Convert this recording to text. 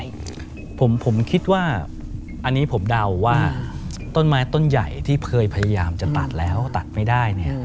ใช่ผมคิดว่าอันนี้ผมเดาว่าต้นไม้ต้นใหญ่ที่เคยพยายามจะตัดแล้วตัดไม่ได้เนี่ย